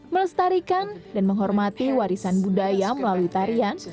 melestarikan dan menghormati warisan budaya melalui tarian